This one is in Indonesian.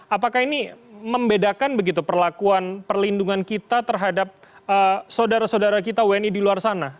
apakah ini membedakan begitu perlakuan perlindungan kita terhadap saudara saudara kita wni di luar sana